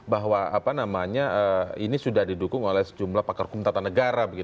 bahwa ini sudah didukung oleh sejumlah pakar hukum tata negara